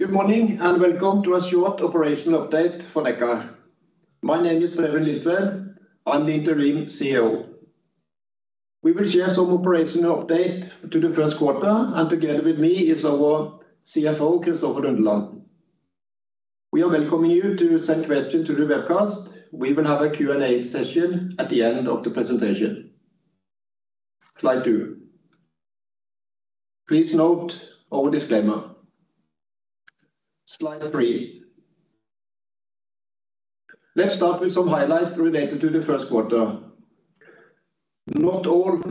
Good morning, and welcome to a short operational update for Nekkar. My name is Preben Liltved. I'm the Interim CEO. We will share some operational update to the first quarter, and together with me is our CFO, Kristoffer Lundeland. We are welcoming you to send questions through the webcast. We will have a Q&A session at the end of the presentation. Slide two. Please note our disclaimer. Slide three. Let's start with some highlights related to the first quarter. Not all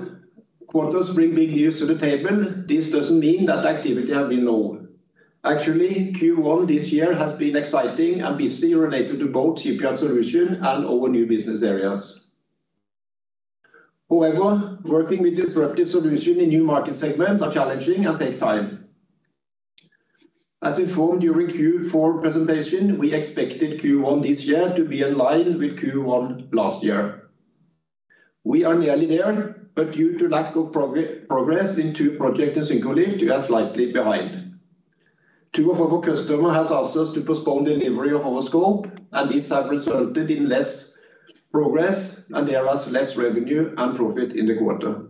quarters bring big news to the table. This doesn't mean that activity has been low. Actually, Q1 this year has been exciting and busy related to both Shipyard Solutions and our new business areas. However, working with disruptive solution in new market segments are challenging and take time. As informed during Q4 presentation, we expected Q1 this year to be in line with Q1 last year. We are nearly there, but due to lack of progress in two project in Syncrolift, we are slightly behind. Two of our customer has asked us to postpone delivery of our scope, and this have resulted in less progress and there was less revenue and profit in the quarter.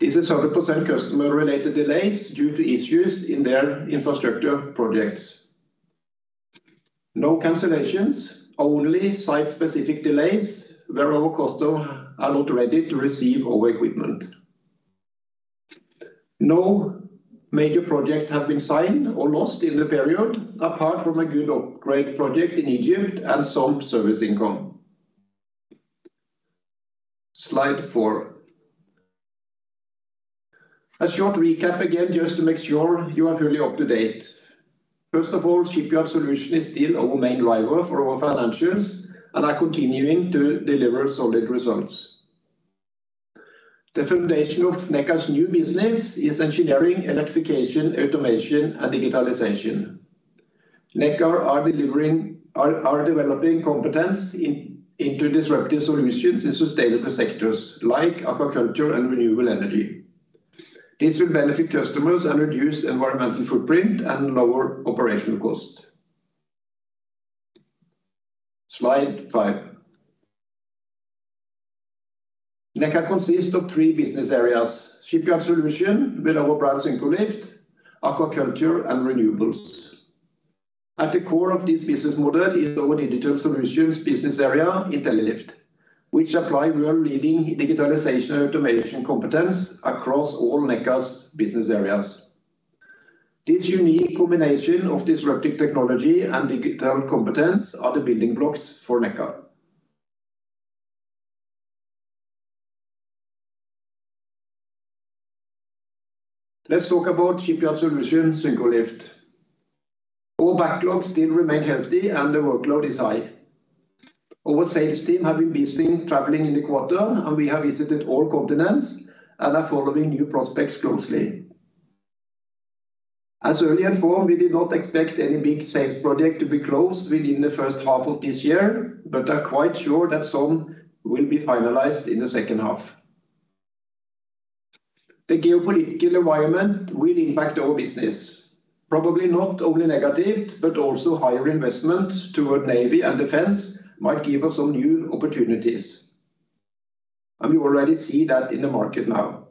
This is 100% customer related delays due to issues in their infrastructure projects. No cancellations, only site-specific delays where our customer are not ready to receive our equipment. No major project have been signed or lost in the period, apart from a good upgrade project in Egypt and some service income. Slide four. A short recap again just to make sure you are really up to date. First of all, Shipyard Solutions is still our main driver for our financials and are continuing to deliver solid results. The foundation of Nekkar's new business is engineering, electrification, automation and digitalization. Nekkar are developing competence into disruptive solutions in sustainable sectors like aquaculture and renewable energy. This will benefit customers and reduce environmental footprint and lower operational cost. Slide five. Nekkar consists of three business areas: Shipyard Solutions with our brand Syncrolift, Aquaculture and Renewables. At the core of this business model is our digital solutions business area, Intellilift, which apply world-leading digitalization and automation competence across all Nekkar's business areas. This unique combination of disruptive technology and digital competence are the building blocks for Nekkar. Let's talk about Shipyard Solutions, Syncrolift. Our backlog still remain healthy, and the workload is high. Our sales team have been busy traveling in the quarter, and we have visited all continents and are following new prospects closely. As earlier informed, we did not expect any big sales project to be closed within the first half of this year, but are quite sure that some will be finalized in the second half. The geopolitical environment will impact our business, probably not only negative, but also higher investment toward navy and defense might give us some new opportunities, and we already see that in the market now.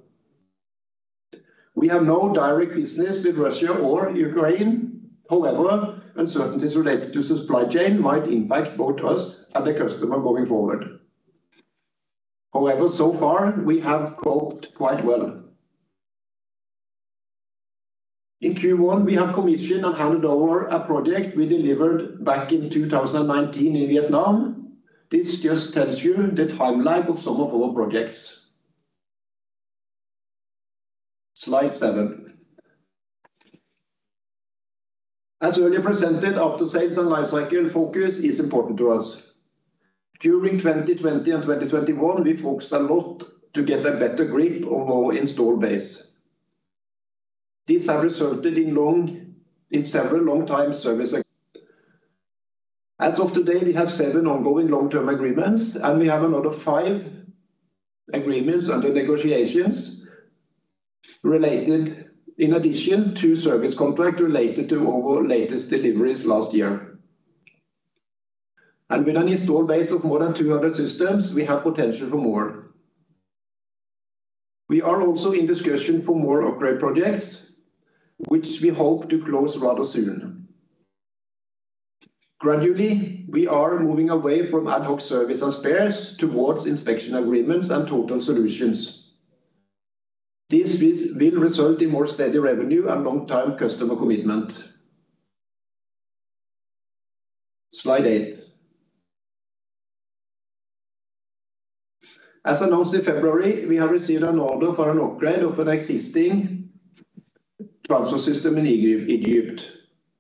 We have no direct business with Russia or Ukraine. However, uncertainties related to supply chain might impact both us and the customer going forward. However, so far we have coped quite well. In Q1, we have commissioned and handed over a project we delivered back in 2019 in Vietnam. This just tells you the timeline of some of our projects. Slide seven. As earlier presented, aftersales and lifecycle focus is important to us. During 2020 and 2021, we focused a lot to get a better grip on our installed base. This have resulted in several long-term service base. As of today, we have seven ongoing long-term agreements, and we have another five agreements under negotiations related in addition to service contract related to our latest deliveries last year. With an installed base of more than 200 systems, we have potential for more. We are also in discussion for more upgrade projects, which we hope to close rather soon. Gradually, we are moving away from ad hoc service and spares towards inspection agreements and total solutions. This will result in more steady revenue and long-term customer commitment. Slide eight. As announced in February, we have received an order for an upgrade of an existing transfer system in Egypt.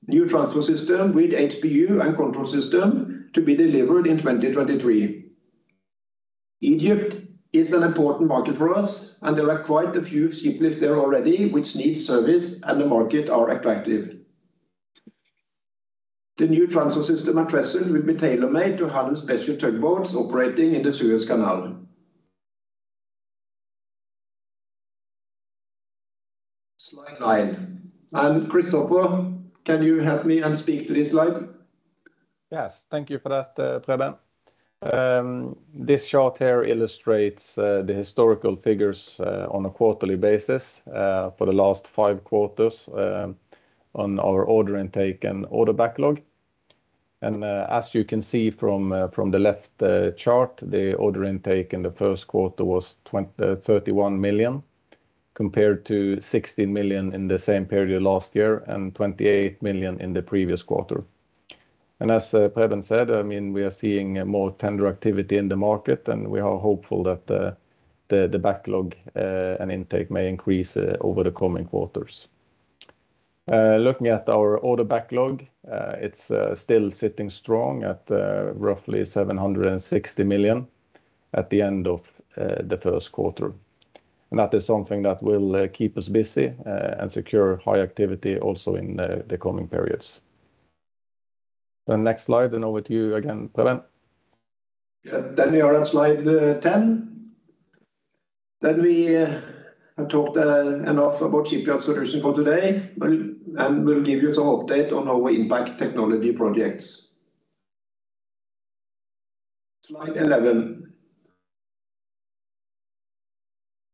New transfer system with HPU and control system to be delivered in 2023. Egypt is an important market for us, and there are quite a few ship lifts there already which need service and the market are attractive. The new transfer system and trestle will be tailor-made to handle special tugboats operating in the Suez Canal. Slide nine. Kristoffer, can you help me and speak to this slide? Yes. Thank you for that, Preben. This chart here illustrates the historical figures on a quarterly basis for the last five quarters on our order intake and order backlog. As you can see from the left chart, the order intake in the first quarter was 31 million compared to 16 million in the same period last year and 28 million in the previous quarter. As Preben said, I mean, we are seeing more tender activity in the market, and we are hopeful that the backlog and intake may increase over the coming quarters. Looking at our order backlog, it's still sitting strong at roughly 760 million at the end of the first quarter. That is something that will keep us busy and secure high activity also in the coming periods. Next slide, then over to you again, Preben. Yeah. We are at slide 10. We have talked enough about Shipyard Solutions for today. We'll give you some update on our Impact technology projects. Slide 11.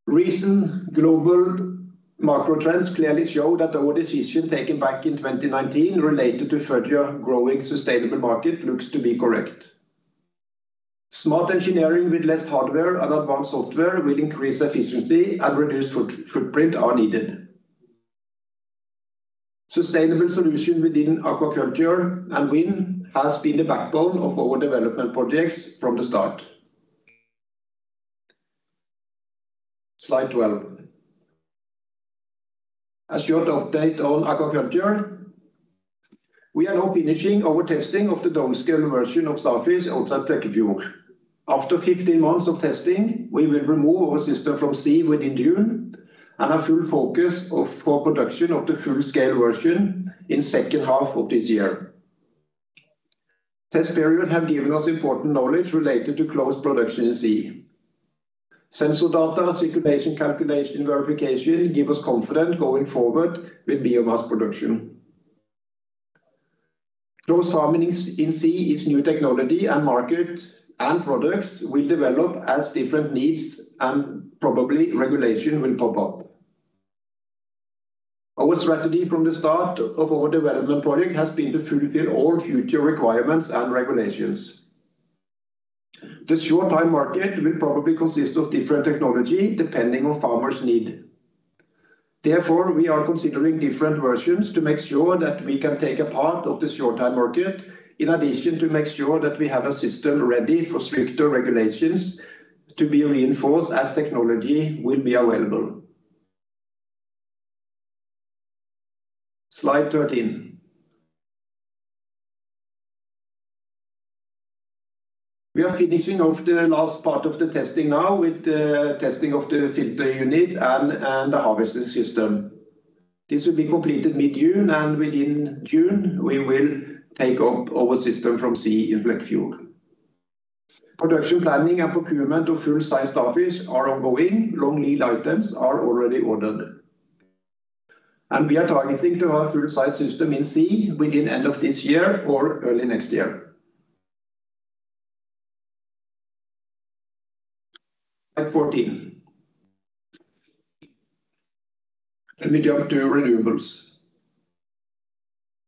Recent global macro trends clearly show that our decision taken back in 2019 related to further growing sustainable market looks to be correct. Smart engineering with less hardware and advanced software will increase efficiency and reduce footprint are needed. Sustainable solution within aquaculture and wind has been the backbone of our development projects from the start. Slide 12. A short update on aquaculture. We are now finishing our testing of the full-scale version of Starfish outside Flekkefjord. After 15 months of testing, we will remove our system from sea within June and our full focus for production of the full-scale version in second half of this year. Test period have given us important knowledge related to closed production in sea. Sensor data, circulation calculation verification give us confidence going forward with biomass production. Closed farming in open sea is new technology, and market and products will develop as different needs and probably regulation will pop up. Our strategy from the start of our development project has been to fulfill all future requirements and regulations. The short-term market will probably consist of different technology, depending on farmers' need. Therefore, we are considering different versions to make sure that we can take a part of the short-term market, in addition to make sure that we have a system ready for stricter regulations to be reinforced as technology will be available. Slide 13. We are finishing off the last part of the testing now with the testing of the filter unit and the harvesting system. This will be completed mid-June, and within June, we will take up our system from sea into Flekkefjord. Production planning and procurement of full-size Starfish are ongoing. Long lead items are already ordered. We are targeting to have full-size system in sea within end of this year or early next year. Slide 14. Let me jump to renewables.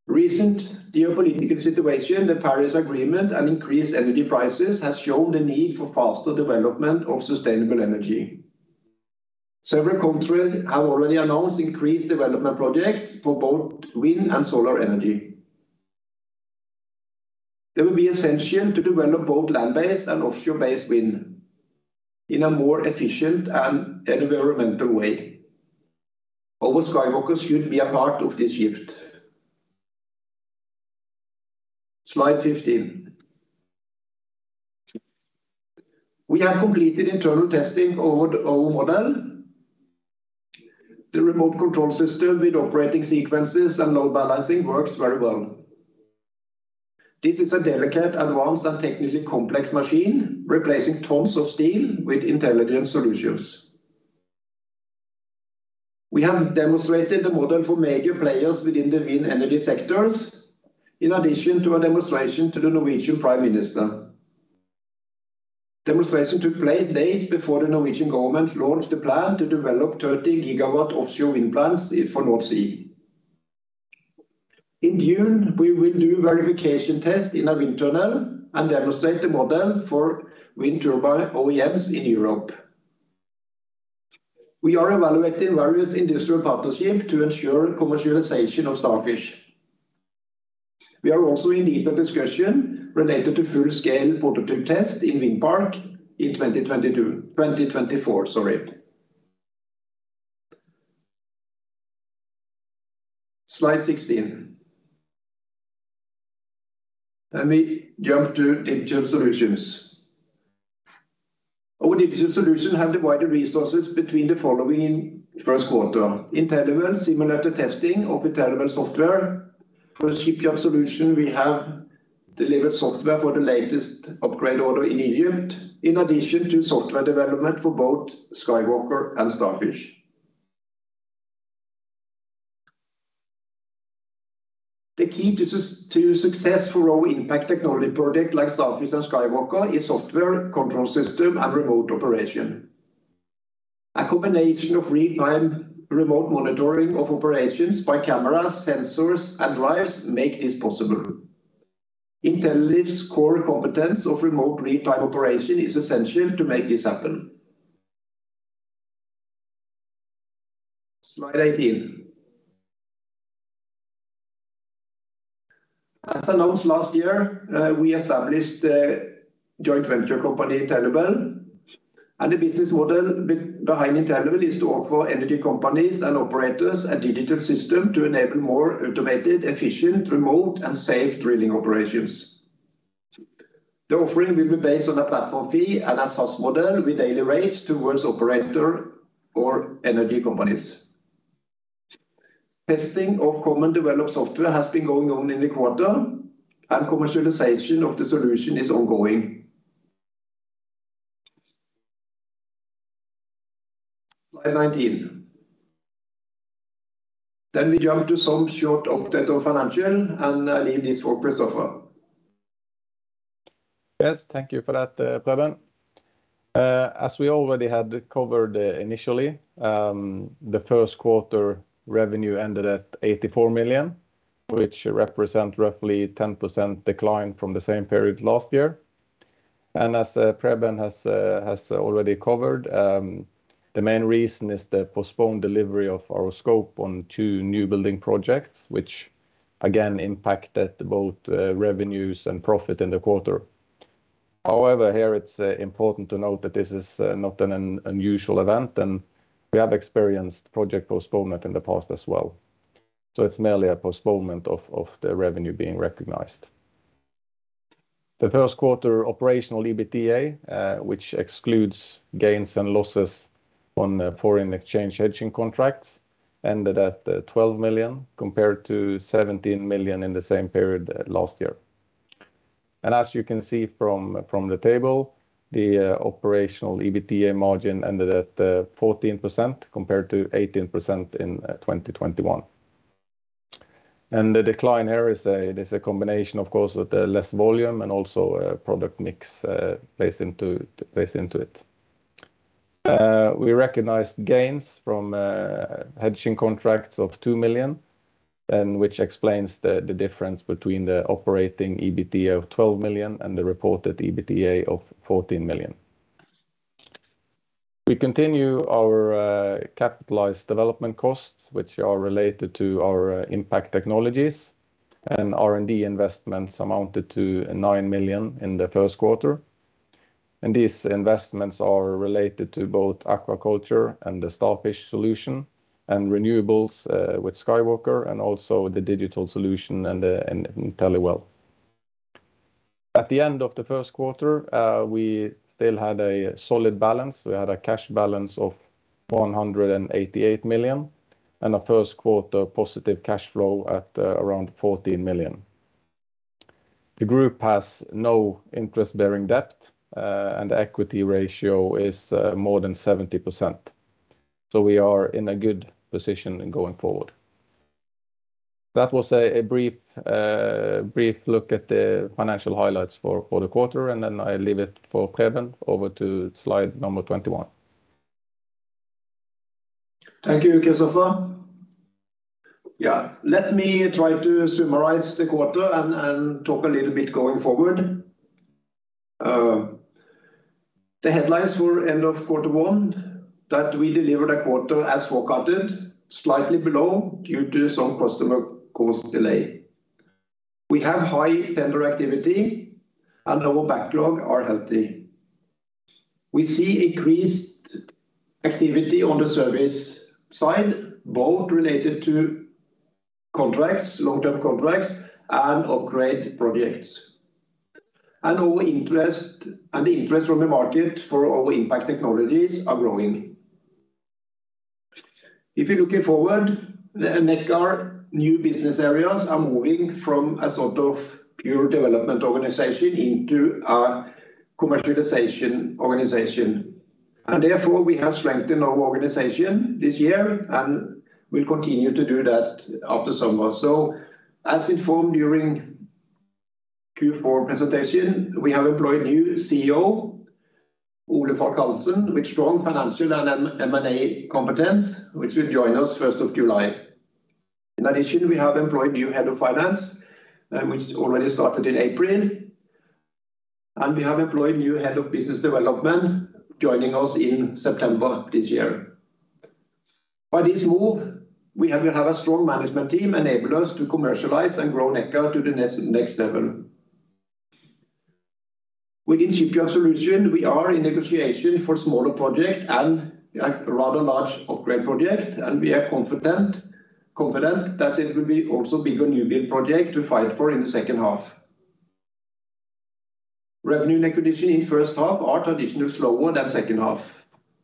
Recent geopolitical situation, the Paris Agreement, and increased energy prices has shown the need for faster development of sustainable energy. Several countries have already announced increased development projects for both wind and solar energy. It will be essential to develop both land-based and offshore-based wind in a more efficient and environmental way. Our SkyWalkers should be a part of this shift. Slide 15. We have completed internal testing of our model. The remote control system with operating sequences and load balancing works very well. This is a delicate, advanced, and technically complex machine, replacing tons of steel with intelligent solutions. We have demonstrated the model for major players within the wind energy sectors, in addition to a demonstration to the Norwegian prime minister. Demonstration took place days before the Norwegian government launched the plan to develop 30 GW offshore wind plants for North Sea. In June, we will do verification test in a wind tunnel and demonstrate the model for wind turbine OEMs in Europe. We are evaluating various industrial partnership to ensure commercialization of Starfish. We are also in deeper discussion related to full-scale prototype test in wind farm in 2024, sorry. Slide 16. Let me jump to digital solutions. Our digital solution have divided resources between the following first quarter: InteliWell simulator testing of InteliWell software. For Shipyard Solutions, we have delivered software for the latest upgrade order in Egypt, in addition to software development for both SkyWalker and Starfish. The key to success for impact technology project like Starfish and SkyWalker is software control system and remote operation. A combination of real time remote monitoring of operations by cameras, sensors and LiDAR make this possible. Intellilift's core competence of remote real time operation is essential to make this happen. Slide 18. As announced last year, we established a joint venture company, Inteliwell, and the business model behind Inteliwell is to offer energy companies and operators a digital system to enable more automated, efficient, remote and safe drilling operations. The offering will be based on a platform fee and a SaaS model with daily rates towards operator or energy companies. Testing of common developed software has been going on in the quarter and commercialization of the solution is ongoing. Slide 19. We jump to some short update on financials and I leave this for Kristoffer. Yes, thank you for that, Preben. As we already had covered initially, the first quarter revenue ended at 84 million, which represent roughly 10% decline from the same period last year. As Preben has already covered, the main reason is the postponed delivery of our scope on two new building projects, which again impacted both revenues and profit in the quarter. However, here it's important to note that this is not an unusual event and we have experienced project postponement in the past as well. It's merely a postponement of the revenue being recognized. The first quarter operational EBITDA, which excludes gains and losses on foreign exchange hedging contracts ended at 12 million compared to 17 million in the same period last year. As you can see from the table, the operational EBITDA margin ended at 14% compared to 18% in 2021. The decline here is a combination of course with the less volume and also a product mix plays into it. We recognized gains from hedging contracts of 2 million, which explains the difference between the operating EBITDA of 12 million and the reported EBITDA of 14 million. We continue our capitalized development costs, which are related to our impact technologies and R&D investments amounted to 9 million in the first quarter. These investments are related to both aquaculture and the Starfish solution and renewables with SkyWalker and also the digital solution and in Inteliwell. At the end of the first quarter, we still had a solid balance. We had a cash balance of 188 million and a first quarter positive cash flow at around 14 million. The group has no interest-bearing debt, and equity ratio is more than 70%. We are in a good position in going forward. That was a brief look at the financial highlights for the quarter and then I leave it for Preben over to slide number 21. Thank you, Kristoffer- Yeah, ...let me try to summarize the quarter and talk a little bit going forward. The headlines for end of quarter one that we delivered a quarter as forecasted, slightly below due to some customer cost delay. We have high tender activity and our backlog are healthy. We see increased activity on the service side, both related to contracts, long-term contracts and upgrade projects. The interest from the market for our impact technologies are growing. If you're looking forward, the Nekkar new business areas are moving from a sort of pure development organization into a commercialization organization, and therefore we have strengthened our organization this year and we'll continue to do that after summer. As informed during Q4 presentation, we have employed new CEO, Ole Falk Hansen, with strong financial and M&A competence, which will join us 1st July. In addition, we have employed new head of finance, which already started in April, and we have employed new head of business development joining us in September this year. By this move, we have a strong management team enable us to commercialize and grow Nekkar to the next level. Within Shipyard Solutions, we are in negotiation for smaller project and a rather large upgrade project, and we are confident that it will be also bigger new build project to fight for in the second half. Revenue negotiation in first half are traditionally slower than second half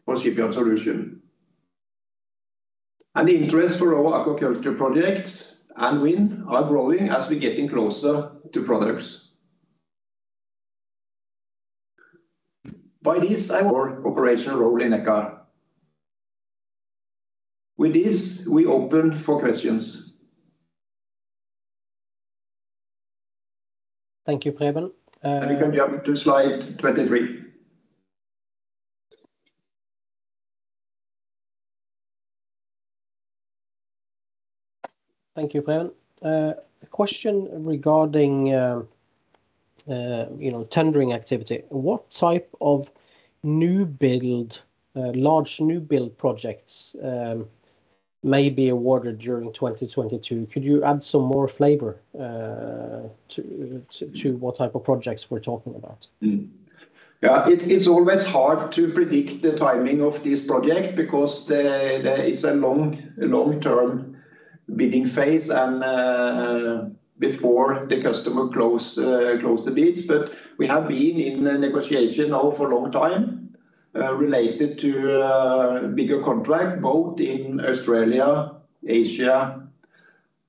for Shipyard Solutions. The interest for our aquaculture projects and wind are growing as we getting closer to products. Our operational role in Nekkar. With this, we open for questions. Thank you, Preben. You can jump to slide 23. Thank you, Preben. A question regarding, you know, tendering activity. What type of new build, large new build projects may be awarded during 2022? Could you add some more flavor to what type of projects we're talking about? It's always hard to predict the timing of this project because it's a long-term bidding phase and before the customer closes the bids. We have been in a negotiation now for a long time related to bigger contracts both in Australia, Asia,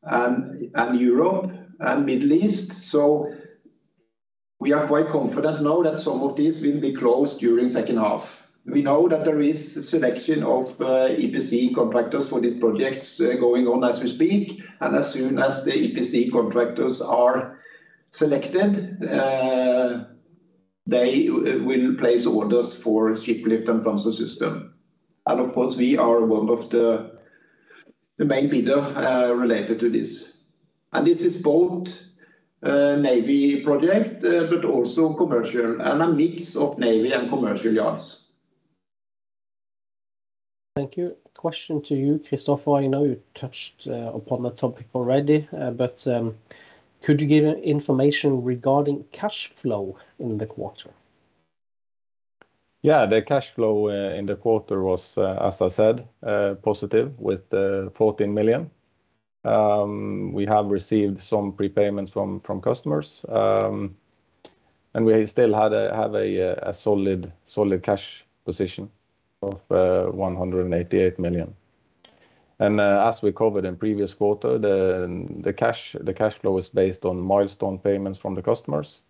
and Europe and Middle East. We are quite confident now that some of these will be closed during second half. We know that there is selection of EPC contractors for this project going on as we speak, and as soon as the EPC contractors are selected, they will place orders for shiplift and transfer system. Of course we are one of the main bidder related to this. This is both navy project, but also commercial and a mix of navy and commercial yards. Thank you. Question to you, Kristoffer. I know you touched upon the topic already, but could you give information regarding cash flow in the quarter? Yeah. The cash flow in the quarter was, as I said, positive with 14 million. We have received some prepayments from customers. We still have a solid cash position of 188 million. As we covered in previous quarter, the cash flow is based on milestone payments from the customers.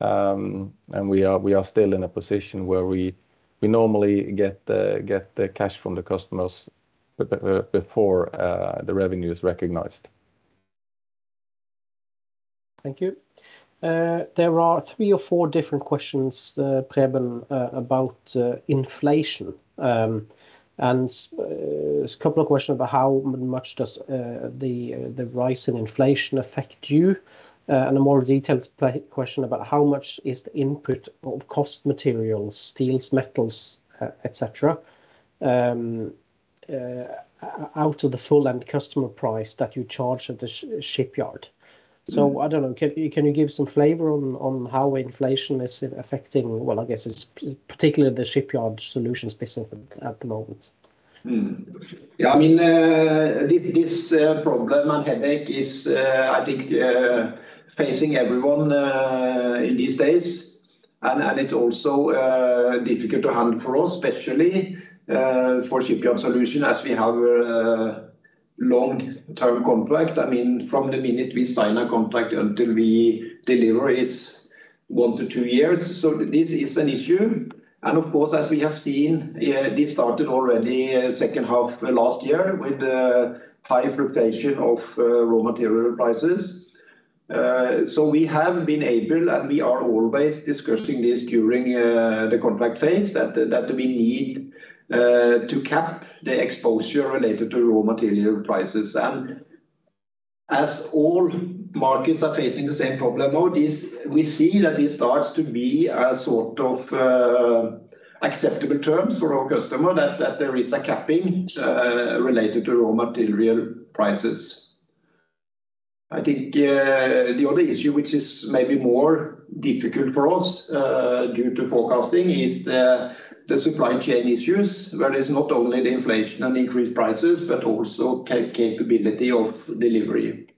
We are still in a position where we normally get the cash from the customers before the revenue is recognized. Thank you. There are three or four different questions, Preben, about inflation. There's a couple of questions about how much does the rise in inflation affect you? A more detailed question about how much is the input of cost materials, steels, metals, et cetera, out of the full end customer price that you charge at the shipyard? Mm-hmm. I don't know, can you give some flavor on how inflation is affecting, well, I guess it's particularly the Shipyard Solutions business at the moment? I mean, this problem and headache is, I think, facing everyone in these days. It's also difficult to handle for us, especially for Shipyard Solutions as we have a long-term contract. I mean, from the minute we sign a contract until we deliver is 1-2 years. This is an issue. Of course, as we have seen, this started already second half last year with the high fluctuation of raw material prices. We have been able and we are always discussing this during the contract phase that we need to cap the exposure related to raw material prices. As all markets are facing the same problem now, we see that this starts to be a sort of acceptable terms for our customer that there is a capping related to raw material prices. I think the other issue which is maybe more difficult for us due to forecasting is the supply chain issues where it's not only the inflation and increased prices but also capability of delivery.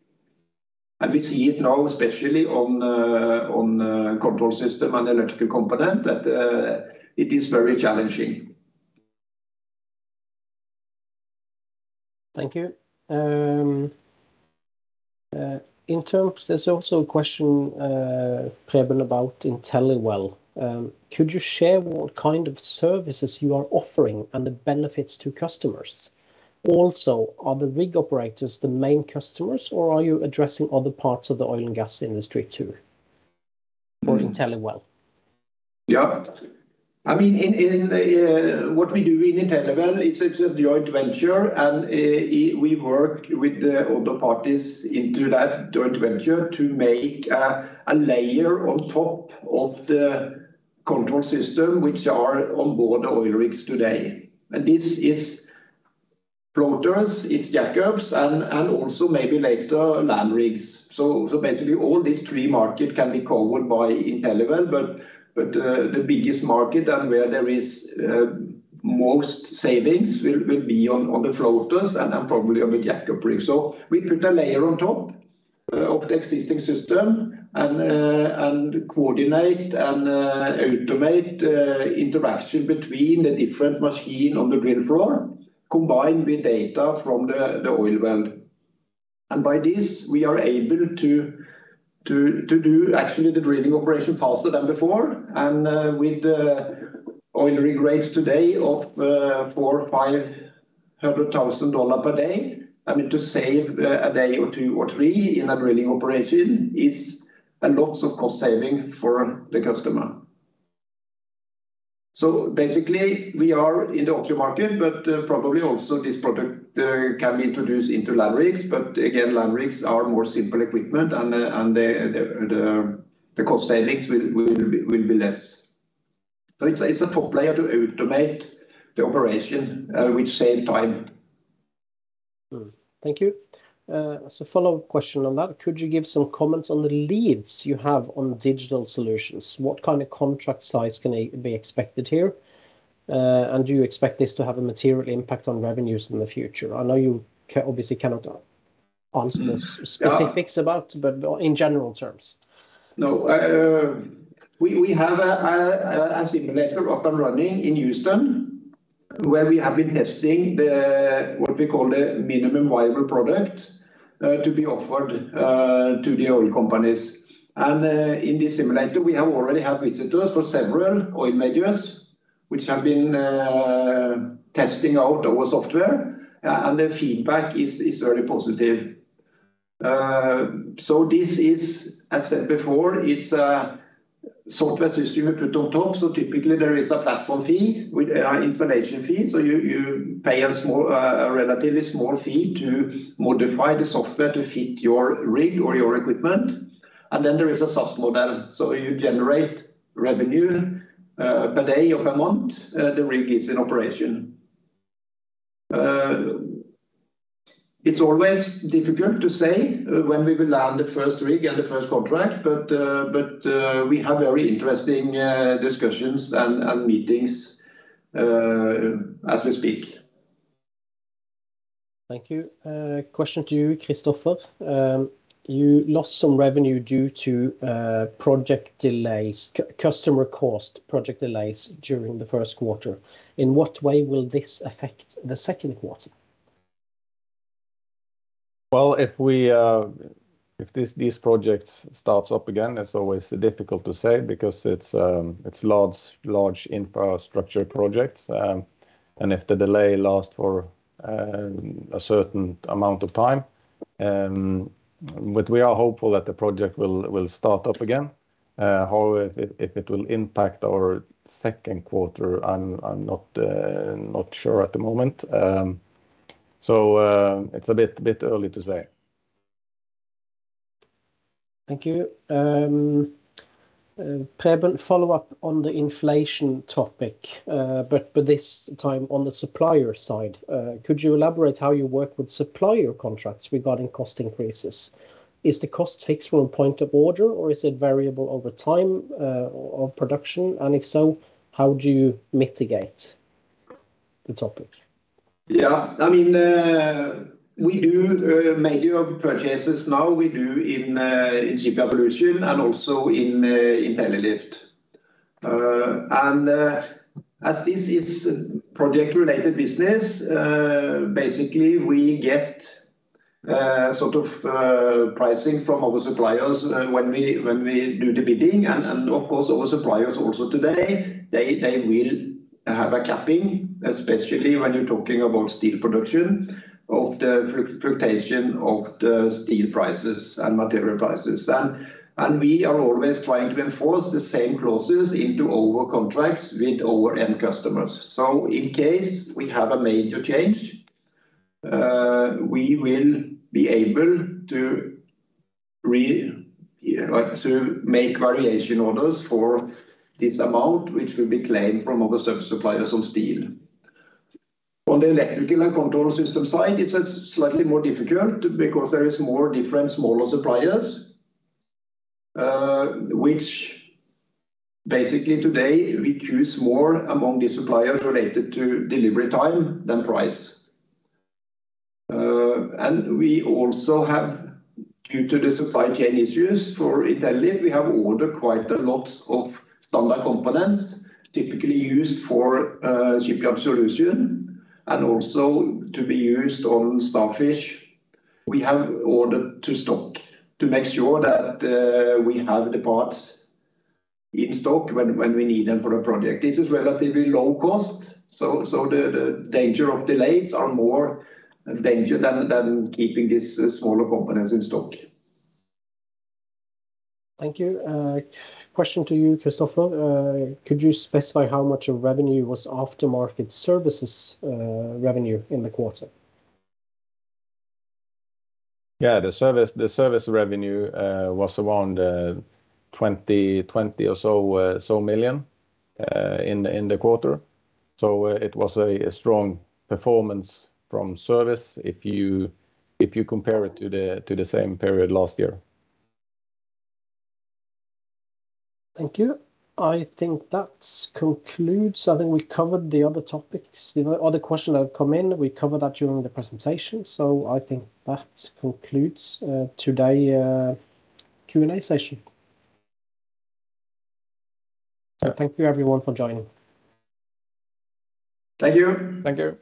We see it now especially on control system and electrical component that it is very challenging. Thank you. There's also a question, Preben, about InteliWell. Could you share what kind of services you are offering and the benefits to customers? Also, are the rig operators the main customers or are you addressing other parts of the oil and gas industry too for InteliWell? Yeah. I mean, in what we do in InteliWell it's a joint venture and we work with the other parties into that joint venture to make a layer on top of the control system which are on board the oil rigs today. This is floaters, it's jackups and also maybe later land rigs. Basically all these three market can be covered by InteliWell, but the biggest market and where there is most savings will be on the floaters and probably on the jackup rig. We put a layer on top of the existing system and coordinate and automate interaction between the different machine on the drill floor, combined with data from the oil well. By this, we are able to do actually the drilling operation faster than before and with the oil rig rates today of $400,000-$500,000 per day, I mean, to save a day or two or three in a drilling operation is a lot of cost savings for the customer. Basically we are in the after market, but probably also this product can be introduced into land rigs. Again, land rigs are more simple equipment and the cost savings will be less. It's a top layer to automate the operation, which save time. Thank you. Follow-up question on that. Could you give some comments on the leads you have on digital solutions? What kind of contract size can we expect here? Do you expect this to have a material impact on revenues in the future? I know you obviously cannot answer the. Yeah. Specifics about, but in general terms. No. We have a simulator up and running in Houston, where we have been testing the, what we call the minimum viable product, to be offered to the oil companies. In this simulator, we already have visitors for several oil majors which have been testing out our software, and the feedback is very positive. This is, as said before, a software system we put on top. Typically there is a platform fee with installation fee. You pay a small, a relatively small fee to modify the software to fit your rig or your equipment. Then there is a SaaS model. You generate revenue per day or per month the rig is in operation. It's always difficult to say when we will land the first rig and the first contract, but we have very interesting discussions and meetings as we speak. Thank you. Question to you, Kristoffer. You lost some revenue due to project delays, customer cost project delays during the first quarter. In what way will this affect the second quarter? Well, if these projects starts up again, it's always difficult to say because it's large infrastructure projects. If the delay lasts for a certain amount of time, but we are hopeful that the project will start up again. However, if it will impact our second quarter, I'm not sure at the moment. It's a bit early to say. Thank you. Preben, follow-up on the inflation topic, but this time on the supplier side. Could you elaborate how you work with supplier contracts regarding cost increases? Is the cost fixed from point of order, or is it variable over time, or production? If so, how do you mitigate the topic? Yeah. I mean, we do major purchases now in Shipyard Solutions and also in Intellilift. As this is project-related business, basically we get sort of pricing from our suppliers when we do the bidding. Of course our suppliers also today, they will have a capping, especially when you're talking about steel production of the fluctuation of the steel prices and material prices. We are always trying to enforce the same clauses into our contracts with our end customers. In case we have a major change, we will be able to make variation orders for this amount, which will be claimed from other sub-suppliers on steel. On the electrical and control system side, it's slightly more difficult because there is more different smaller suppliers, which basically today we choose more among the suppliers related to delivery time than price, and we also have, due to the supply chain issues for Intellilift, we have ordered quite a lot of standard components typically used for Shipyard Solutions and also to be used on Starfish. We have ordered to stock to make sure that we have the parts in stock when we need them for a project. This is relatively low cost, so the danger of delays is more dangerous than keeping these smaller components in stock. Thank you. Question to you, Kristoffer. Could you specify how much of revenue was aftermarket services revenue in the quarter? Yeah. The service revenue was around 20 million or so in the quarter. It was a strong performance from service if you compare it to the same period last year. Thank you. I think that concludes. I think we covered the other topics. The other question that come in, we covered that during the presentation. I think that concludes today Q&A session. Yeah. Thank you everyone for joining. Thank you. Thank you.